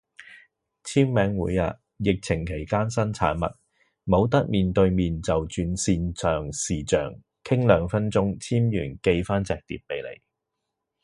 簽名會啊，疫情期間新產物，冇得面對面就轉線上視象，傾兩分鐘簽完寄返隻碟俾你